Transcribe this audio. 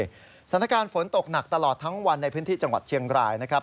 สถานการณ์ฝนตกหนักตลอดทั้งวันในพื้นที่จังหวัดเชียงรายนะครับ